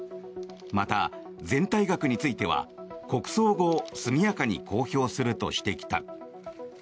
また、全体額については国葬後速やかに公表するとしてきた。